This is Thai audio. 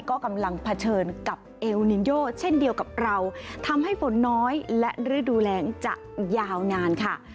ก็กำลังเผชิญกับเอลนินโยเช่นเดียวกับเราทำให้ฝนน้อยและฤดูแรงจะยาวนานค่ะ